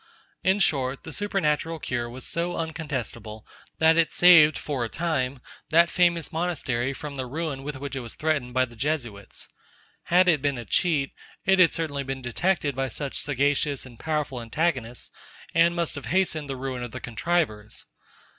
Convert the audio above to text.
In short, the supernatural cure was so uncontestable, that it saved, for a time, that famous monastery from the ruin with which it was threatened by the Jesuits. Had it been a cheat, it had certainly been detected by such sagacious and powerful antagonists, and must have hastened the ruin of the contrivers.